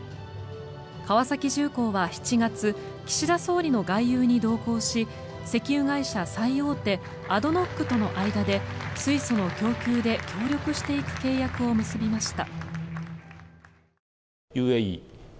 川崎重工は７月岸田総理の外遊に同行し石油会社最大手ＡＤＮＯＣとの間で水素の供給で協力していく契約を結びました。